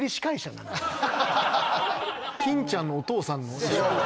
金ちゃんのお父さんの。